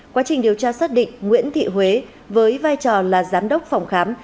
quá trình điều tra xác định nguyễn thị huế với vai trò là giám đốc phòng khám